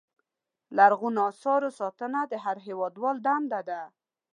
لرغونو اثارو ساتنه د هر هېوادوال دنده ده.